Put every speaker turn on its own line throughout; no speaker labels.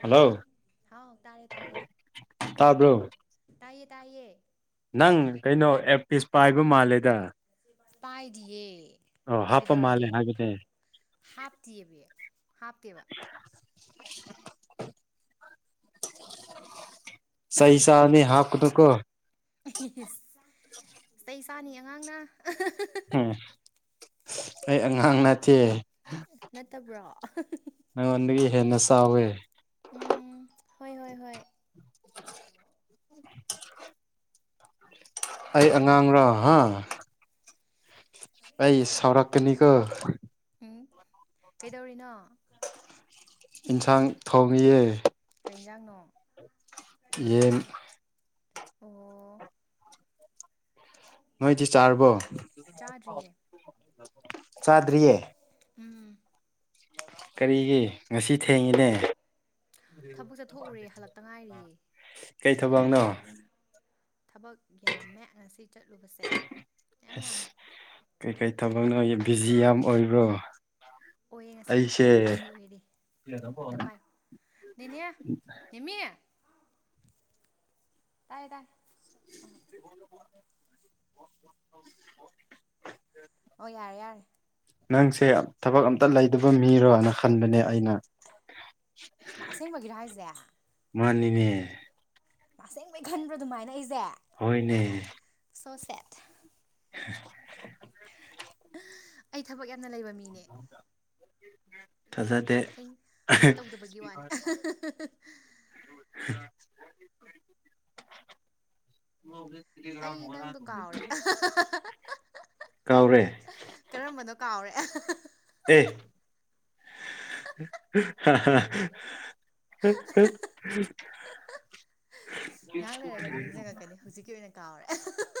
Hello
ꯍꯥꯎ ꯇꯥꯔꯦ ꯇꯥꯔꯦ
ꯇꯥꯕ꯭ꯔꯣ
ꯇꯥꯏꯌꯦ ꯇꯥꯏꯌꯦ
ꯅꯪ ꯀꯩꯅꯣ ꯑꯦꯔꯄꯤꯁ ꯄꯥꯏꯕ ꯃꯥꯜꯂꯦꯗ
ꯄꯥꯏꯗꯤꯌꯦ
ꯑꯣ ꯍꯥꯞꯄ ꯃꯥꯂꯦ ꯍꯥꯏꯕꯅꯦ
ꯍꯥꯞꯇꯦꯃꯦ ꯍꯥꯞꯇꯦꯕ
ꯆꯩ ꯆꯥꯒꯅꯤ ꯍꯥꯞꯒꯅꯨꯀꯣ
ꯏꯁ ꯆꯩ ꯆꯥꯅꯤ ꯑꯉꯥꯡꯅ
ꯎꯝ ꯑꯩ ꯑꯉꯥꯡ ꯅꯠꯇꯦ
ꯅꯠꯇꯕ꯭ꯔꯣ
ꯅꯪꯉꯣꯟꯗꯒꯤ ꯍꯦꯟꯅ ꯆꯥꯎꯋꯦ
ꯎꯝ ꯍꯣꯏ ꯍꯣꯏ ꯍꯣꯏ
ꯑꯩ ꯑꯉꯥꯡ꯭ꯔꯣ ꯍꯥ ꯑꯩ ꯁꯥꯎꯔꯛꯀꯅꯤꯀꯣ꯫
ꯎꯝ ꯀꯩꯗꯧꯔꯤꯅꯣ꯫
ꯏꯟꯁꯥꯡ ꯊꯣꯡꯉꯤꯌꯦ꯫
ꯀꯩ ꯏꯟꯖꯥꯡꯅꯣ꯫
ꯌꯦꯟ꯫
ꯑꯣ꯫
ꯅꯣꯏꯗꯤ ꯆꯥꯔꯕꯣ
ꯆꯥꯗ꯭ꯔꯤꯌꯦ
ꯆꯥꯗ꯭ꯔꯤꯌꯦ꯫
ꯎꯝ꯫
ꯀꯔꯤꯒꯤ ꯉꯁꯤ ꯊꯦꯡꯉꯤꯅꯦ꯫
ꯊꯕꯛ ꯆꯠꯊꯣꯛꯎꯔꯦ ꯍꯜꯂꯛꯇ ꯉꯥꯏꯔꯤꯌꯦ
ꯀꯩ ꯊꯕꯛꯅꯣ꯫
ꯊꯕꯛ ꯌꯥꯝꯃꯦ ꯉꯁꯤ ꯆꯠꯂꯨꯕꯁꯦ ꯌꯥꯝ ꯌꯥꯝꯃꯦ꯫
ꯑꯁ ꯀꯩꯀꯩ ꯊꯕꯛꯅꯣ ꯕꯤꯖꯤ ꯌꯥꯝ ꯑꯣꯏꯕ꯭ꯔꯣ꯫
ꯑꯣꯏꯌꯦ ꯉꯁꯤꯗꯤ
ꯑꯩꯁꯦ
ꯈꯔ ꯕꯤꯖꯤ ꯑꯣꯏꯔꯦ ꯉꯥꯛꯇ ꯄꯥꯏꯌꯨ ꯅꯦꯅꯦ꯫ ꯅꯦꯃꯤ ꯇꯥꯏ ꯇꯥꯏ꯫ ꯑꯣ ꯌꯥꯔꯦ ꯌꯥꯔꯦ꯫
ꯅꯪꯁꯦ ꯊꯕꯛ ꯑꯝꯇ ꯂꯩꯗꯕ ꯃꯤꯔꯣꯅ ꯈꯟꯕꯅꯦ ꯑꯩꯅ꯫
ꯃꯥ ꯑꯁꯦꯡꯕꯒꯤꯔꯣ ꯍꯥꯏꯁꯦ꯫
ꯃꯥꯅꯤꯅꯦ꯫
ꯃꯥ ꯑꯁꯦꯡꯕꯩ ꯈꯟꯕ꯭ꯔꯣ ꯑꯗꯨꯃꯥꯏꯅ ꯑꯩꯁꯦ꯫
ꯍꯣꯏꯅꯦ꯫
ꯁꯣ ꯁꯦꯠ꯫
[unintelligible]
ꯑꯩ ꯊꯕꯛ ꯌꯥꯝꯅ ꯂꯩꯕ ꯃꯤꯅꯦ꯫
ꯊꯥꯖꯗꯦ
ꯑꯩ
ꯍ꯫
ꯑꯩꯅ ꯇꯧꯗꯕꯒꯤ ꯋꯥꯅꯦ
ꯍ꯫ [unintelligible]
ꯑꯩ ꯅꯪꯗꯣ ꯀꯥꯎꯔꯦ [unintelligible]
ꯀꯥꯎꯔꯦ
ꯀꯔꯝꯕꯅꯣ ꯀꯥꯎꯔꯦ [unintelligible]
ꯑꯦ꯫ ꯍꯥ ꯍꯥ [unintelligible]
ꯉꯥꯏꯍꯥꯛ ꯂꯩꯔꯒꯗꯤ ꯅꯤꯡꯁꯤꯡꯉꯛꯀꯅꯤ ꯍꯧꯖꯤꯛꯀꯤ ꯑꯣꯏꯅ ꯀꯥꯎꯔꯦ [unintelligible]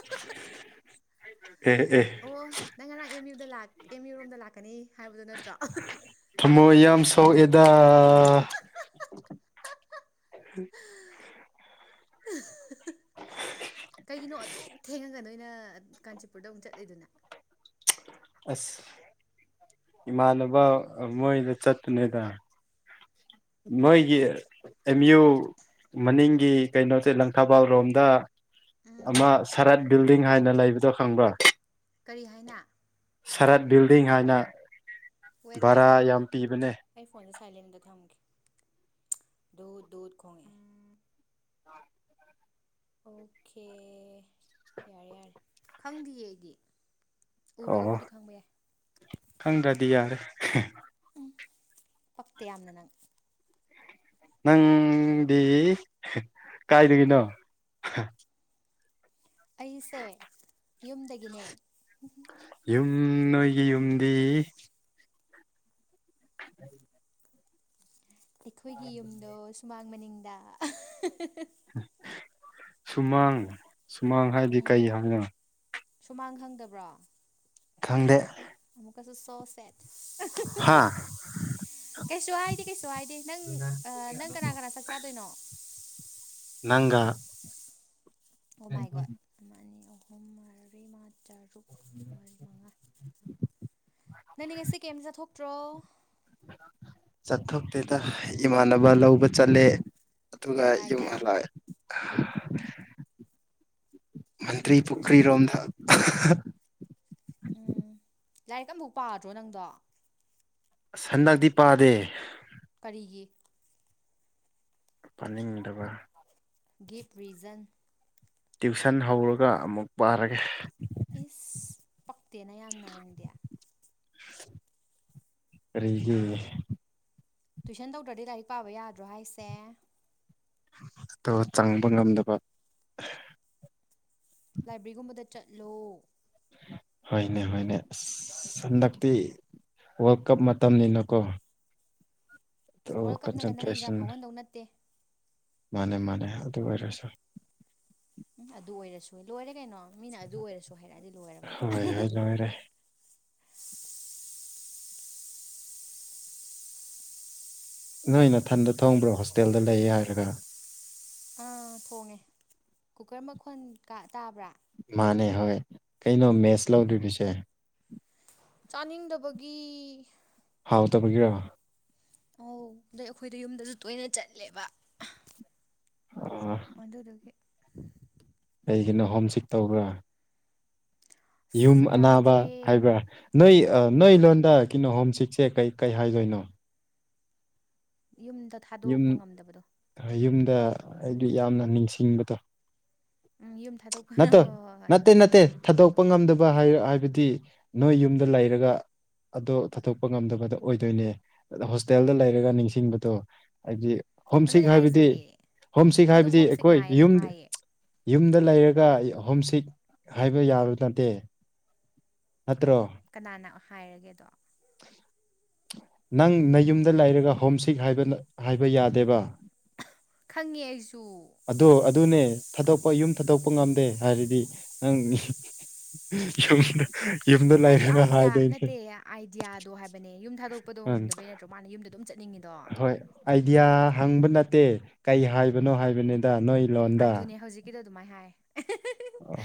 ꯑꯦ ꯑꯦ꯫
ꯑꯣ ꯅꯪ ꯉꯔꯥꯡ ꯑꯦꯝ ꯌꯨ ꯗ ꯂꯥꯛ ꯑꯦꯝ ꯌꯨ ꯔꯣꯝꯗ ꯂꯥꯛꯀꯅꯤ ꯍꯥꯏꯕꯗꯨ ꯅꯠꯇ꯭ꯔꯣ꯫
ꯊꯃꯣꯏ ꯌꯥꯝ ꯁꯣꯛꯑꯦꯗꯥ꯫
[unintelligible] ꯀꯩꯒꯤꯅꯣ ꯑꯗꯨꯛ ꯊꯦꯡꯉꯒ ꯅꯣꯏꯅ ꯀꯥꯟꯆꯤꯄꯨꯔꯗ ꯑꯃꯨꯛ ꯆꯠꯂꯤꯗꯨꯅ꯫
ꯑꯁ ꯏꯃꯥꯟꯅꯕ ꯃꯣꯏꯗ ꯆꯠꯄꯅꯦꯗ꯫ ꯃꯣꯏꯒꯤ ꯑꯦꯝ ꯌꯨ ꯃꯅꯤꯡꯒꯤ ꯀꯩꯅꯣꯁꯦ ꯂꯪꯊꯥꯕꯥꯜ ꯔꯣꯝꯗ
ꯎꯝ
ꯑꯃ ꯁꯔꯠ ꯕꯤꯜꯗꯤꯡ ꯍꯥꯏꯅ ꯂꯩꯕꯗꯣ ꯈꯪꯕ꯭ꯔꯥ꯫
ꯀꯔꯤ ꯍꯥꯏꯅ꯫
ꯁꯔꯠ ꯕꯤꯜꯗꯤꯡ ꯍꯥꯏꯅ꯫
ꯋꯦꯠ ꯋꯦꯠ
ꯚꯔꯥ
ꯋꯦꯠ꯫
ꯌꯥꯝ ꯄꯤꯕꯅꯦ
ꯑꯩ ꯐꯣꯟꯁꯦ ꯁꯥꯏꯂꯦꯟꯗ ꯊꯝꯒꯦ ꯗꯨꯠ ꯗꯨꯠ ꯈꯣꯡꯉꯛꯑꯦ꯫ ꯑꯣꯈꯦ ꯌꯥꯔꯦ ꯌꯥꯔꯦ ꯈꯪꯗꯤꯌꯦ ꯑꯩꯗꯤ
ꯑꯣ
ꯎꯔꯒꯕꯨꯗꯤ ꯈꯪꯕ ꯌꯥꯏ
ꯈꯪꯗ꯭ꯔꯗꯤ ꯌꯥꯔꯦ
ꯎꯝ ꯄꯛꯇꯦ ꯌꯥꯝꯅ ꯅꯪ
ꯅꯪꯗꯤ ꯀꯥꯏꯗꯒꯤꯅꯣ
ꯑꯩꯁꯦ ꯌꯨꯝꯗꯒꯤꯅꯦ
ꯌꯨꯝ ꯅꯣꯏꯒꯤ ꯌꯨꯝꯗꯤ [unintelligible]
ꯑꯩꯈꯣꯏꯒꯤ ꯌꯨꯝꯗꯣ ꯁꯨꯃꯥꯡ ꯃꯅꯤꯡꯗ
ꯁꯨꯃꯥꯡ ꯁꯨꯃꯥꯡ ꯍꯥꯏꯗꯤ
ꯎꯝ
ꯀꯩ ꯍꯥꯏꯅꯣ
ꯁꯨꯃꯥꯡ ꯈꯪꯗꯕ꯭ꯔꯣ
ꯈꯪꯗꯦ
ꯑꯣ ꯑꯃꯨꯛꯀꯖꯨ ꯁꯣ ꯁꯦꯠ
ꯍꯥ
ꯀꯩꯁꯨ ꯍꯥꯏꯗꯦ ꯀꯩꯁꯨ ꯍꯥꯏꯗꯦ ꯅꯪ ꯑ ꯅꯪ ꯀꯅꯥ ꯀꯅꯥ ꯆꯥꯛ ꯆꯥꯗꯣꯏꯅꯣ
ꯅꯪꯒꯥ
ꯑꯣ ꯃꯥꯏ ꯒꯣꯠ ꯑꯃ ꯑꯅꯤ ꯑꯍꯨꯝ ꯃꯔꯤ ꯃꯉꯥ ꯇꯔꯨꯛ ꯃꯔꯤ ꯃꯉꯥ ꯅꯪꯗꯤ ꯉꯁꯤ ꯀꯦꯏꯝ ꯆꯊꯣꯛꯇ꯭ꯔꯣ
ꯆꯠꯊꯣꯛꯇꯦꯗ ꯏꯃꯥꯟꯅꯕ ꯂꯧꯕ ꯆꯠꯂꯦ ꯑꯗꯨꯒ ꯌꯨꯝ
ꯀꯥꯏꯗ
ꯍꯂꯥꯑꯦ ꯃꯟꯇ꯭ꯔꯤ ꯄꯨꯈ꯭ꯔꯤꯔꯣꯝꯗ
ꯎꯝ ꯂꯥꯏꯛꯀ ꯑꯝꯕꯧ ꯄꯥꯗ꯭ꯔꯣ ꯅꯪꯗꯣ
ꯑꯁ ꯍꯟꯗꯛꯇꯤ ꯄꯥꯗꯦ
ꯀꯔꯤꯒꯤ
ꯄꯥꯅꯤꯡꯗꯕ
ꯒꯤꯞ ꯔꯤꯖꯟ
ꯇ꯭ꯌꯨꯁꯟ ꯍꯧꯔꯒ ꯑꯃꯨꯛ ꯄꯥꯔꯒꯦ
ꯏꯁ ꯄꯛꯇꯦꯅ ꯌꯥꯝꯅ ꯅꯪꯗꯤ
ꯀꯔꯤꯒꯤ
ꯇꯨꯏꯁꯟ ꯇꯧꯗ꯭ꯔꯗꯤ ꯂꯥꯏꯔꯤꯛ ꯄꯥꯕ ꯌꯥꯗ꯭ꯔꯣ ꯍꯥꯏꯁꯦ
ꯇꯣ ꯆꯪꯕ ꯉꯝꯗꯕ
ꯂꯥꯏꯕ꯭ꯔꯤꯒꯨꯝꯕꯗ ꯆꯠꯂꯣ
ꯍꯣꯏꯅꯦ ꯍꯣꯏꯅꯦ ꯑꯁ ꯑꯁ ꯍꯟꯗꯛꯇꯤ ꯋꯥꯜ ꯀꯞ ꯃꯇꯝꯅꯤꯅꯀꯣ ꯑꯣ
ꯋꯥꯔꯜ ꯀꯞꯅꯒ ꯅꯪ
ꯀꯟꯁꯦꯟꯇ꯭ꯔꯦꯁꯟ
ꯑꯦꯛꯖꯥꯝ ꯐꯥꯎꯍꯟꯗꯧ ꯅꯠꯇꯦ
ꯃꯥꯅꯦ ꯃꯥꯅꯦ ꯑꯗꯨ ꯑꯣꯏꯔꯁꯨ
ꯎꯝ ꯑꯗꯨ ꯑꯣꯏꯔꯁꯨ ꯂꯣꯏꯔꯦ ꯀꯩꯅꯣ ꯃꯤꯅ ꯑꯗꯨ ꯑꯣꯏꯔꯁꯨ ꯍꯥꯏꯔꯛꯑꯗꯤ ꯂꯣꯏꯔꯕꯅꯤ
ꯍꯣꯏ ꯍꯣꯏ ꯂꯣꯏꯔꯦ ꯅꯣꯏ ꯅꯊꯟꯗ ꯊꯣꯡꯕ꯭ꯔꯣ ꯍꯣꯁꯇꯦꯜꯗ ꯂꯩꯌꯦ ꯍꯥꯏꯔꯒ
ꯑꯥ ꯊꯣꯡꯉꯦ ꯀꯨꯀꯔ ꯃꯈꯣꯟ ꯀꯥ ꯇꯥꯕ꯭ꯔꯥ
ꯃꯥꯅꯦ ꯍꯣꯏ ꯀꯩꯅꯣ ꯃꯦꯁ ꯂꯧꯗꯨꯔꯤꯁꯦ
ꯆꯥꯅꯤꯡꯗꯕꯒꯤ
ꯍꯥꯎꯇꯕꯒꯤꯔꯣ
ꯑꯧ ꯑꯗꯩ ꯑꯈꯣꯏꯗ ꯌꯨꯝꯗꯖꯨ ꯇꯣꯏꯅ ꯆꯠꯂꯦꯕ
ꯑꯣ
ꯗꯨꯗꯨꯒꯤ
ꯀꯩꯒꯤꯅꯣ ꯍꯣꯝ ꯁꯤꯛ ꯇꯧꯕ꯭ꯔꯥ ꯌꯨꯝ
ꯑꯁ
ꯑꯅꯥꯕ
ꯌꯥꯗ꯭ꯔꯦ
ꯍꯥꯏꯕꯔꯥ ꯅꯣꯏ ꯑꯥ ꯅꯣꯏ ꯂꯣꯟꯗ ꯀꯩꯅꯣ ꯍꯣꯝ ꯁꯤꯛꯁꯦ ꯀꯩ ꯀꯩ ꯍꯥꯏꯗꯣꯏꯅꯣ
ꯌꯨꯝꯗ
ꯌꯨꯝ
ꯊꯥꯗꯣꯛꯄ ꯉꯝꯗꯕꯗꯣ
ꯌꯨꯝꯗ ꯑꯩꯗꯤ ꯌꯥꯝꯅ ꯅꯤꯡꯁꯤꯡꯕꯗꯣ
ꯎꯝ ꯌꯨꯝ ꯊꯥꯗꯣꯛ
ꯅꯠꯇꯣ ꯅꯠꯇꯦ ꯅꯠꯇꯦ ꯊꯥꯗꯣꯛꯄ ꯉꯝꯗꯕ ꯍꯥꯏ ꯍꯥꯏꯕꯗꯤ ꯅꯣꯏ ꯌꯨꯝꯗ ꯂꯩꯔꯒ ꯑꯗꯣ ꯊꯥꯗꯣꯛꯄ ꯉꯝꯗꯕꯗꯣ ꯑꯣꯏꯗꯣꯏꯅꯦ ꯑꯗꫭ ꯍꯣꯁꯇꯦꯜꯗ ꯂꯩꯔꯒ ꯅꯤꯡꯁꯤꯡꯕꯗꯣ ꯍꯥꯏꯕꯗꯤ ꯍꯣꯝ ꯁꯤꯛ
ꯑꯗꯨꯅꯦ ꯍꯥꯏꯁꯦ
ꯍꯥꯏꯕꯗꯤ ꯍꯣꯝꯁꯤꯛ
ꯑꯗꯨꯝ
ꯍꯥꯏꯕꯗꯤ
ꯍꯣꯝ ꯁꯤꯛ
ꯑꯩꯈꯣꯏ
ꯅꯥꯏꯌꯦ ꯑꯗꯨꯝ
ꯌꯨꯝ
ꯍꯥꯏꯌꯦ
ꯌꯨꯝꯗ ꯂꯩꯔꯒ ꯍꯣꯝꯁꯤꯛ ꯍꯥꯏꯕ ꯌꯥꯕ ꯅꯠꯇꯦ ꯅꯠꯇ꯭ꯔꯣ
ꯀꯅꯥꯅ ꯍꯥꯏꯔꯒꯦ ꯑꯗꯣ
ꯅꯪ ꯅꯌꯨꯝꯗ ꯂꯩꯔꯒ ꯍꯣꯝꯁꯤꯛ ꯍꯥꯏꯕꯅ ꯍꯥꯏꯕ ꯌꯥꯗꯦꯕ
ꯈꯪꯉꯦ ꯑꯩꯁꯨ
ꯑꯗꫭ ꯑꯗꯨꯅꯦ ꯊꯥꯗꯣꯛꯄ ꯌꯨꯝ ꯊꯥꯗꯣꯛꯄ ꯉꯝꯗꯦ ꯍꯥꯏꯔꯗꯤ ꯅꯪ ꯌꯨꯝ
ꯍꯥꯏꯗꯤ ꯑꯥꯏꯗꯤꯌꯥ ꯅꯠꯇꯦ ꯑꯥꯏꯗꯤꯌꯥꯗꯣ ꯍꯥꯏꯕꯅꯦ ꯌꯨꯝ ꯊꯥꯗꯣꯛꯄꯗꯣ
ꯎꯝ
ꯉꯝꯗꯕꯩ ꯅꯠꯇ꯭ꯔꯣ ꯃꯥꯅ ꯌꯨꯝꯗꯣ ꯑꯗꯨꯝ ꯆꯠꯅꯤꯡꯉꯤꯗꯣ
ꯍꯣꯏ ꯑꯥꯏꯗꯤꯌꯥ ꯍꯪꯕ ꯅꯠꯇꯦ ꯀꯩ ꯍꯥꯏꯕꯅꯣ ꯍꯥꯏꯕꯅꯤꯗ ꯅꯣꯏ ꯂꯣꯟꯗ
ꯑꯗꯨꯅꯦ ꯍꯧꯖꯤꯛꯀꯤꯗꯣ ꯑꯗꯨꯃꯥꯏꯅ ꯍꯥꯏ
ꯑꯣ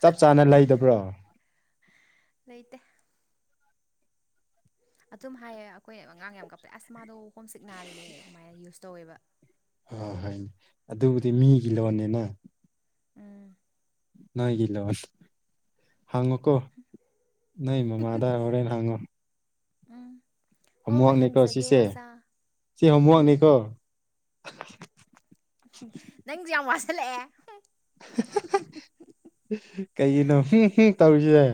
ꯆꯞ ꯆꯥꯅ ꯂꯩꯗꯕ꯭ꯔꯣ
ꯂꯩꯇ‌ꯦ ꯑꯗꯨꯝ ꯍꯥꯏꯌꯦ ꯑꯩꯈꯣꯏ ꯑꯉꯥꯡ ꯌꯥꯝ ꯀꯞꯄꯦ ꯑꯁ ꯃꯥꯗꯣ ꯍꯣꯝꯁꯤꯛ ꯅꯥꯔꯤꯅꯦ ꯑꯗꯨꯃꯥꯏꯅ ꯌꯨꯁ ꯇꯧꯋꯦꯕ
ꯑꯥ ꯍꯣꯏꯅꯦ ꯑꯗꯨꯕꯨꯗꯤ ꯃꯤꯒꯤ ꯂꯣꯟꯅꯤꯅ
ꯎꯝ
ꯅꯣꯏꯒꯤ ꯂꫭꯟ ꯍꯪꯉꯣꯀꯣ ꯅꯣꯏ ꯃꯃꯥꯗꯥ ꯍꯣꯔꯦꯟ ꯍꯪꯉꯣ
ꯎꯝ ꯍꯣꯏ ꯍꯣꯏ
ꯑꯃꯨꯍꯪꯅꯤꯀꯣ
ꯍꯪꯖꯒꯦ
ꯁꯤꯁꯦ
ꯑꯣꯖꯥ
ꯁꯤ
ꯎꯝ
ꯑꯃꯨꯍꯪꯅꯤꯀꯣ
ꯅꯪꯁꯨ ꯌꯥꯝ ꯋꯥꯁꯤꯜꯂꯛꯑꯦ
ꯀꯩꯒꯤꯅꯣ ꯍꯨꯝ ꯍꯨꯝ ꯇꯧꯔꯤꯁ‌ꯦ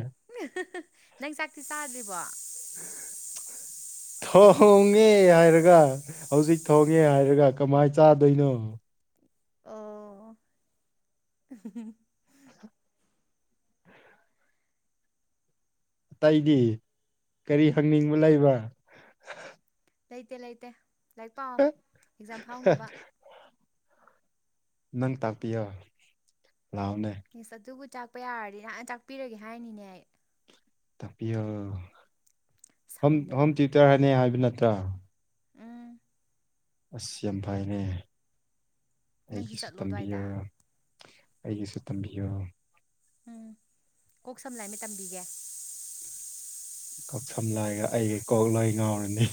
ꯅꯪ ꯆꯥꯛꯇꯤ ꯆꯥꯗ꯭ꯔꯤꯕꯣ
ꯊꯣꯡꯉꯦ ꯍꯥꯏꯔꯒ ꯍꯧꯖꯤꯛ ꯊꯣꯡꯉꯦ ꯍꯥꯏꯔꯒ ꯀꯃꯥꯏ ꯆꯥꯗꯣꯏꯅꯣ
ꯑꯣ
ꯑꯇꯩꯗꯤ ꯀꯔꯤ ꯍꯪꯅꯤꯡꯕ ꯂꯩꯕ
ꯂꯩꯇꯦ ꯂꯩꯇꯦ ꯂꯥꯏꯔꯤꯛ ꯄꯥꯎ ꯑꯦꯛꯖꯥꯝ ꯐꯥꯎꯅꯕ
ꯅꯪ ꯇꯥꯛꯄꯤꯌꯣ ꯂꯥꯛꯑꯣꯅꯦ
ꯏꯁ ꯑꯗꯨꯕꯨ ꯊꯥꯛꯄ ꯌꯥꯔꯗꯤ ꯅꯍꯥꯟꯅ ꯊꯥꯛꯄꯤꯔꯒꯦ ꯍꯥꯏꯅꯤꯅꯦ ꯑꯩ
ꯇꯥꯛꯄꯤꯌꯨ ꯍꯣꯝ
ꯁꯪꯗꯦ
ꯍꯣꯝ ꯇꯌꯨꯇꯔ ꯍꯥꯏꯅꯤ ꯍꯥꯏꯕ ꯅꯠꯇ꯭ꯔꯣ
ꯎꯝ
ꯑꯁ ꯌꯥꯝꯐꯥꯏꯅꯦ
ꯅꯪꯁꯨ ꯆꯠꯂꯣ ꯑꯗꯨꯋꯥꯏꯗ
ꯑꯩꯒꯤꯁꯨ ꯇꯝꯕꯤꯌꯣ
ꯎꯝ ꯀꯣꯛ ꯁꯝ ꯂꯥꯏ ꯃꯤꯠ ꯇꯝꯕꯤꯒꯦ
ꯀꯛꯁꯝ ꯂꯥꯏꯒ ꯑꯩꯒꯤ ꯀꯣꯛꯂꫭꯏ ꯉꯥꯎꯔꯅꯤ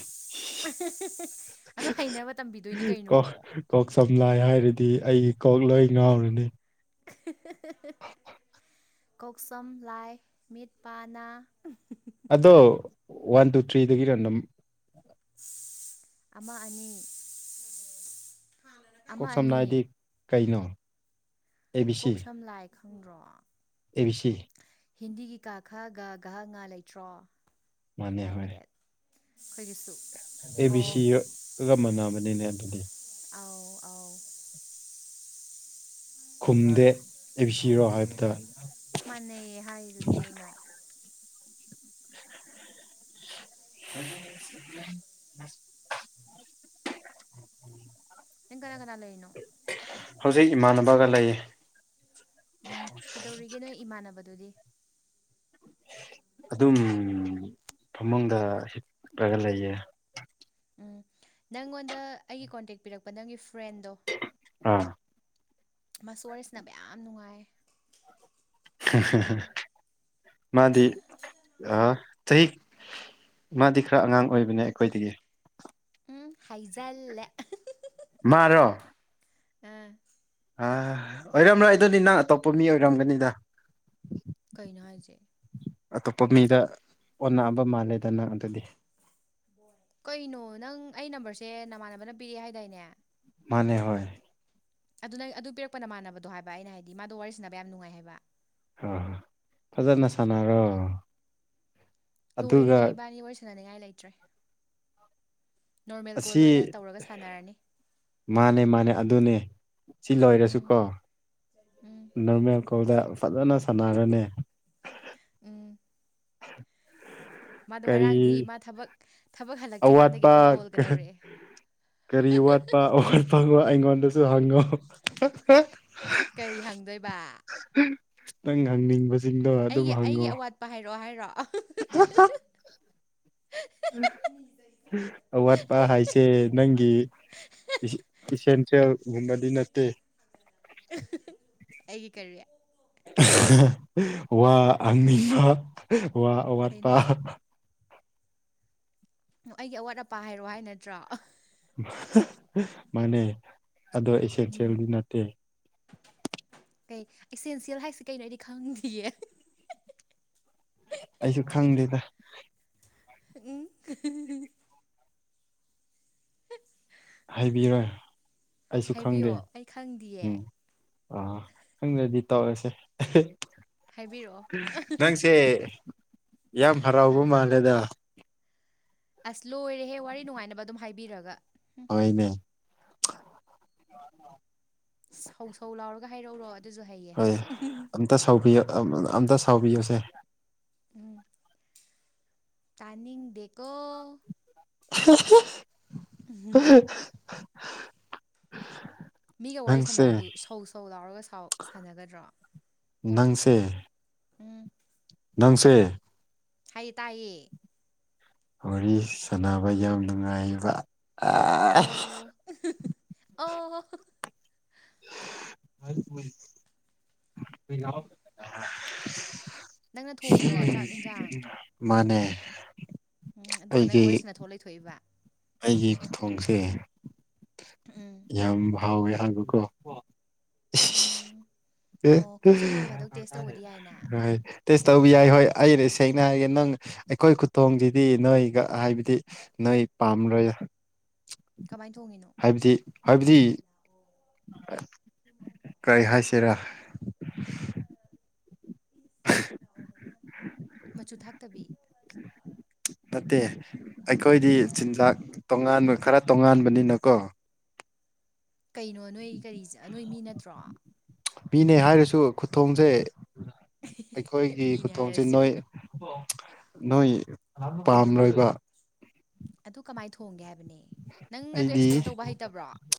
ꯑꯗꯨ ꯍꯩꯅꯕ ꯇꯝꯕꯤꯗꯣꯏꯅꯤ ꯀꯩꯅꯣ
ꯀꯣꯛ ꯀꯣꯛ ꯁꯝ ꯂꯥꯏ ꯍꯥꯏꯔꯗꯤ ꯑꯩꯒꯤ ꯀꯣꯛ ꯂꯣꯏ ꯉꯥꯎꯔꯅꯤ
ꯀꫭꯛ ꯁꯝ ꯂꯥꯏ ꯃꯤꯠ ꯄꯥ ꯅꯥ
ꯑꯗꯣ ꯋꯥꯟ ꯇꯨ ꯊ꯭ꯔꯤꯗꯒꯤꯅ ꯑꯗꯨꯝ
ꯑꯃ ꯑꯅꯤ ꯑꯃ
ꯀꯣꯛ ꯁꯝ
ꯑꯅꯤ
ꯂꯥꯏꯗꯤ ꯀꯩꯅꯣ ꯑꯦ ꯕꯤ ꯁꯤ
ꯀꯣꯛ ꯁꯝ ꯂꯥꯏ ꯈꯪꯗ꯭ꯔꯣ
ꯑꯦ ꯕꯤ ꯁꯤ
ꯍꯤꯟꯗꯤꯒꯤ ꯀꯥ ꯈꯥ ꯒ ꯒꯍꯥ ꯉꯥ ꯂꯩꯇ꯭ꯔꯣ
ꯃꯥꯅꯦ
ꯂꯥꯏꯛ
ꯍꯣꯏ
ꯗꯦꯠ ꯑꯩꯈꯣꯏꯒꯤꯁꯨ
ꯑꯦ ꯕꯤ
ꯀꯣꯛ
ꯁꯤꯒ ꯃꯥꯟꯅꯕꯅꯤꯅꯦ ꯑꯗꯨꯗꯤ
ꯑꯥꯎ ꯑꯥꯎ
ꯈꯨꯝꯗꯦ ꯑꯦ ꯕꯤ ꯁꯤꯔꯣ ꯍꯥꯏꯕꯗ
ꯃꯥꯟꯅꯩꯌꯦ ꯍꯥꯏꯗꯨꯗꯤ ꯑꯩꯅ
[unintelligible] ꯑꯣ ꯑꯣ
ꯅꯪ ꯀꯅꯥ ꯀꯅꯥ ꯂꯩꯩꯅꯣ
ꯍꯧꯖꯤꯛ ꯏꯃꯥꯟꯅꯕꯒ ꯂꯩꯌꯦ
ꯎꯝ ꯀꯩꯗꯧꯔꯤꯒꯦ ꯅꯣꯏ ꯏꯃꯥꯟꯅꯕꯗꯨꯗꯤ
ꯑꯗꯨꯝ ꯐꯃꯨꯡꯗ ꯍꯤꯞꯄꯒ ꯂꯩꯌꯦ
ꯎꯝ ꯅꯪꯉꯣꯟꯗ ꯑꯩꯒꯤ ꯀꯣꯟꯇꯦꯛ ꯄꯤꯔꯛꯄ ꯅꯪꯒꯤ ꯐ꯭ꯔꯦꯟꯗꯣ
ꯑꯥ
ꯃꯁꯨ ꯋꯥꯔꯤ ꯁꯥꯅꯕꯥ ꯌꯥꯝ ꯅꯨꯡꯉꯥꯏ
ꯍꯥ ꯍꯥ ꯃꯥꯗꯤ ꯆꯍꯤ ꯃꯥꯗꯤ ꯈꯔ ꯑꯉꯥꯡ ꯑꯣꯏꯕꯅꯦ ꯑꯩꯈꯣꯏꯗꯒꯤ
ꯎꯝ ꯍꯥꯏꯖꯜꯂꯦ
ꯃꯔꯣ
ꯑꯝ
ꯑ ꯑꯣꯏꯔꯝꯂꯣꯏ ꯑꯩꯗꯅꯤ ꯅꯪ ꯑꯇꯣꯞꯄ ꯃꯤ ꯑꯣꯏꯔꯝꯒꯅꯤꯗ
ꯀꯩꯅꯣ ꯍꯥꯏꯖꯦ
ꯑꯇꯣꯞꯄ ꯃꯤꯗ ꯑꯣꯟꯅꯕ ꯃꯥꯜꯂꯦꯗ ꯅꯪ ꯑꯗꯨꯗꯤ
ꯀꯩꯅꯣ ꯅꯪ ꯑꯩ ꯅꯝꯕꯔꯁꯦ ꯅꯃꯥꯟꯅꯕꯅ ꯄꯤꯔꯛꯑꯦ ꯍꯥꯏꯗꯥꯏꯅꯦ
ꯃꯥꯅꯦ ꯍꯣꯏ
ꯑꯗꯨ ꯅꯪ ꯑꯗꯨ ꯄꯤꯔꯛꯄꯅ ꯃꯥꯟꯅꯕꯗꯣ ꯍꯥꯏꯕ ꯑꯩꯅ ꯍꯥꯏꯗꯤ ꯃꯥꯗꯣ ꯋꯥꯔꯤ ꯁꯥꯟꯅꯕ ꯌꯥꯝ ꯅꯨꯡꯉꯥꯏ ꯍꯥꯏꯕ
ꯍ ꯍꯣꯏ ꯐꯖꯅ ꯁꯥꯟꯅꯔꯣ
ꯂꯣꯏꯔꯦ
ꯑꯗꯨꯒ
ꯏꯕꯥꯅꯤ ꯋꯥꯔꯤ ꯁꯟꯅꯅꯤꯉꯥꯏ ꯂꯩꯇ꯭ꯔꯦ ꯅꯣꯔꯃꯦꯜꯀꯣꯜꯗ ꯑꯣꯏꯅ
ꯑꯁꯤ
ꯇꯧꯔꯒ ꯁꯥꯟꯅꯔꯅꯤ
ꯃꯥꯅꯦ ꯃꯥꯅꯦ ꯑꯗꯨꯅꯦ ꯁꯤ ꯂꯣꯏꯔꯁꯨ
ꯎꯝ
ꯀꯣ
ꯎꯝ
ꯅꯣꯔꯃꯦꯜ ꯀꯣꯜꯗ ꯐꯖꯅ ꯁꯥꯟꯅꯔꯅꯤ
ꯎꯝ
[unintelligible]
ꯃꯥꯗꯣ ꯉꯔꯥꯡꯗꯤ
ꯀꯔꯤ
ꯃꯥ ꯊꯕꯛ ꯊꯕꯛ ꯍꯜꯂꯛꯇ꯭ꯔꯤꯀꯥꯟꯗꯒꯤ
ꯑꯋꯥꯠꯄ
ꯑꯗꯨꯝ ꯀꯣꯜꯒ ꯇꯧꯔꯛꯑꯦ
ꯀꯔꯤ ꯋꯥꯠꯄ ꯑꯣꯋꯥꯠꯄꯁꯨ ꯑꯩꯉꯣꯟꯗꯁꯨ ꯍꯪꯉꯣ
ꯀꯩ ꯍꯪꯗꯣꯏꯕ
ꯅꯪ ꯍꯪꯅꯤꯡꯕꯥ
ꯑꯩꯒꯤ ꯑꯩꯒꯤ ꯑꯋꯥꯠꯄ ꯍꯥꯏꯔꯛꯑꯣ ꯍꯥꯏꯔꯣ
[unintelligible] ꯑꯋꯥꯠꯄ ꯍꯥꯏꯁꯦ ꯅꯪꯒꯤ ꯏꯁꯦꯟꯁꯤꯜꯒꯨꯝꯕꯗꯤ ꯅꯠꯇꯦ
ꯑꯩꯒꯤ ꯀꯔꯤ
ꯋꯥ ꯍꯪꯅꯤꯡꯕ ꯋꯥ ꯑꯋꯥꯠꯄ
ꯀꯩꯅꯣ ꯑꯩꯒꯤ ꯑꯋꯥꯠ ꯑꯄꯥ ꯍꯥꯏꯔꯣꯑꯣ ꯍꯥꯏ ꯅꯠꯇ꯭ꯔꯣ
ꯃꯥꯅꯦ ꯑꯗꯣ
ꯎꯝ
ꯑꯦꯁꯦꯟꯁꯤꯌꯦꯜꯗꯤ ꯅꯠꯇꯦ
ꯀꯩ ꯏꯁꯦꯟꯁꯤꯌꯦꯜ ꯍꯥꯏꯁꯤ ꯀꯩꯅꯣ ꯑꯩꯗꯤ ꯈꯪꯗꯤꯌꯦ
ꯑꯩꯖꯨ ꯈꯪꯗꯦꯗ
ꯎꯝ
ꯍꯥꯏꯕꯤꯔꯣꯢ ꯑꯩꯁꯨ ꯈꯪꯗꯦ
ꯍꯥꯏꯕꯤꯌꯣ ꯑꯩ ꯈꯪꯗꯤꯌꯦ
ꯎꯝ ꯑꯥ ꯈꯪꯗꯗꯤ ꯇꯧꯑꯁꯦ
ꯍꯥꯏꯕꯤꯔꯛꯑꯣ
ꯅꯪꯁꯦ ꯌꯥꯝ ꯍꯔꯥꯎꯕ
ꯑꯥ
ꯃꯥꯜꯂꯦꯗ
ꯑꯁ ꯂꯣꯏꯔꯦꯍꯦ ꯋꯥꯔꯤ ꯅꯨꯡꯉꯥꯏꯅꯕ ꯑꯗꯨꯝ ꯍꯥꯏꯕꯤꯔꯒ
ꯍꯣꯢꯅꯦ
ꯁꯧ ꯁꯧ ꯂꯥꯎꯔꯒ ꯍꯥꯏꯔꯛꯎꯔꯣ ꯑꯗꯨꯁꯨ ꯍꯩꯌꯦ
ꯇ ꯁꯥꯎꯕꯤꯌ ꯑꯝ ꯑꯝꯇ ꯁꯥꯎꯕꯤꯌꯨꯁꯦ
ꯎꯝ ꯇꯥꯅꯤꯡꯗꯦꯀꯣ
[unintelligible]
ꯃꯤꯒ ꯋꯥꯔꯤ
ꯅꯪꯁꯦ
ꯁꯥꯟꯅꯕꯗꯨ ꯁꯧ ꯁꯧ ꯂꯥꯎꯔꯒ ꯁꯥꯎ ꯁꯥꯟꯅꯒꯗ꯭ꯔꯣ
ꯅꯪꯁꯦ
ꯎꯝ
ꯅꯪꯁꯦ
ꯍꯥꯢꯌꯦ ꯇꯥꯏꯌꯦ
ꯋꯥꯔꯤ ꯁꯥꯟꯅꯕ ꯌꯥꯝ ꯅꯨꯡꯉꯥꯏꯕ ꯑ..
ꯑꯣ ꯑꯣ.. ꯍꯣ ꯅꯪꯅ ꯊꯣꯡꯉꯤꯔꯣ ꯆꯥꯛ ꯏꯟꯖꯥꯡ
[unintelligible] ꯃꯥꯅꯦ
ꯎꯝ ꯑꯗꯨꯒ ꯅꯪ ꯋꯥꯔꯤ
ꯑꯩꯒꯤ
ꯁꯅꯊꯣꯛ ꯂꯩꯊꯣꯛꯏꯕ
ꯑꯩꯒꯤ ꯈꯨꯊꯣꯡꯁꯦ
ꯎꯝ
ꯌꯥꯝ ꯍꯥꯎꯋꯦ ꯍꯥꯏꯕꯀꯣ
ꯎꯝ
ꯑꯦ
ꯑꯣ ꯑꯩꯈꯣꯏꯁꯨ ꯅꯣꯡ ꯐꯥꯗꯣꯛ ꯇꯦꯁ ꯇꯧꯕꯗꯤ ꯌꯥꯏꯅ
ꯍꯦ ꯇꯦꯁ ꯇꯧꯕ ꯌꯥꯏ ꯍꯣꯏ ꯑꯩꯔꯦ ꯁꯦꯡꯅ ꯍꯥꯏꯔꯒꯦ ꯅꯪ ꯑꯩꯈꯣꯏ ꯈꯨꯇꯣꯡꯖꯤꯗꯤ ꯅꯣꯏꯒ ꯍꯥꯏꯕꯗꯤ ꯅꯣꯢ ꯄꯥꯝꯔꯣꯢꯗ
ꯀꯃꯥꯏ ꯊꯣꯡꯉꯤꯅꯣ
ꯍꯥꯏꯕꯗꯤ ꯍꯥꯏꯕꯗꯤ ꯀꯔꯤ ꯍꯥꯏꯁꯤꯔꯥ
ꯃꯆꯨ ꯊꯥꯛꯇꯕꯤ
ꯅꯠꯇꯦ ꯑꯩꯈꯣꯏꯗꯤ ꯆꯤꯟꯖꯥꯛ ꯇꯣꯉꯥꯟꯕ ꯈꯔ ꯇꯣꯉꯥꯟꯕꯅꯤꯅꯀꯣ
ꯀꯩꯅꯣ ꯅꯣꯏ ꯀꯔꯤꯆ ꯅꯣꯏ ꯃꯤ ꯅꯠꯇ꯭ꯔꯣ
ꯃꯤꯅꯦ ꯍꯥꯏꯔꯁꯨ ꯈꯨꯊꯣꯡꯖꯦ ꯑꯩꯈꯣꯏꯒꯤ
ꯃꯤꯅꯦ
ꯈꯨꯊꯣꯡꯖꯦ
ꯍꯥꯏꯔꯁꯨ
ꯅꯣꯏ ꯅꯣꯏ ꯄꯥꯝꯂꯣꯏꯕ
ꯑꯗꯨ ꯀꯃꯥꯏ ꯊꯣꯡꯒꯦ ꯍꯥꯏꯕꯅꯦ ꯅꯪ ꯑꯗꯨ
ꯑꯩꯗꯤ
ꯑꯦꯛꯁꯄ꯭ꯂꯦꯟ ꯇꯧꯕ ꯍꯩꯇꯕ꯭ꯔꯣ